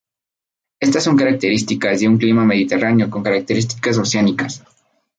Estas son características de un Clima Mediterráneo con características oceánicas.